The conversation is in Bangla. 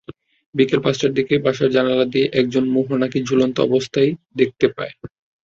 বিকেল পাঁচটার দিকে বাসার জানালা দিয়ে একজন মোহনাকে ঝুলন্ত অবস্থায় দেখতে পায়।